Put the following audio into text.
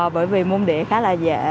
bởi vì môn địa khá là dễ